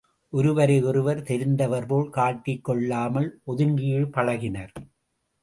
ஒருவரை ஒருவர் தெரிந்தவர்போல் காட்டிக்கொள் ளாமல் ஒதுங்கியே பழகினர்.